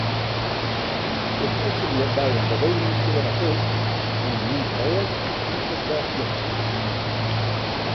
Ik oefenje by in bewegingsterapeut en nim rêst oant it wer giet.